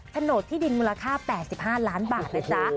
โดดที่ดินมูลค่า๘๕ล้านบาทนะจ๊ะ